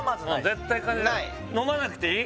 絶対飲まなくていい？